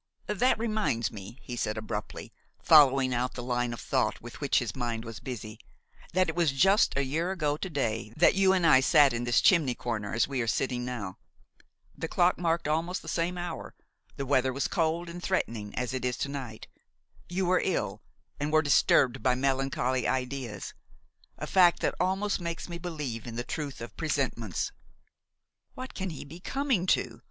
"That reminds me," he said abruptly, following out the line of thought with which his mind was busy, "that it was just a year ago to day that you and I sat in this chimney corner as we are sitting now. The clock marked almost the same hour; the weather was cold and threatening as it is to night. You were ill, and were disturbed by melancholy ideas; a fact that almost makes me believe in the truth of presentiments." "What can he be coming to?"